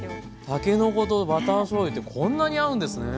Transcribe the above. たけのことバターしょうゆってこんなに合うんですね。